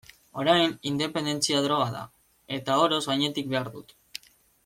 Orain, independentzia droga da, eta oroz gainetik behar dut.